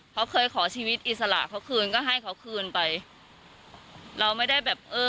เขาเคยขอชีวิตอิสระเขาคืนก็ให้เขาคืนไปเราไม่ได้แบบเออ